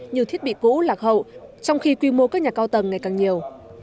như thiết bị cũ lạc hậu trong khi quy mô các nhà cao tầng ngày càng nhiều